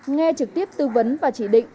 nghe trực tiếp tư vấn và chỉ định